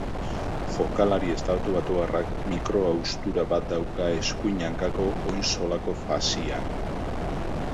Jokalari estatubatuarrak mikro-haustura bat dauka eskuin hankako oin-zolako faszian.